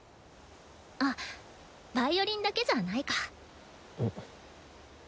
あっヴァイオリンだけじゃないか。